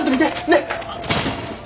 ねっ！